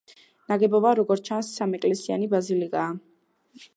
ნაგებობა, როგორც ჩანს, სამეკლესიანი ბაზილიკაა.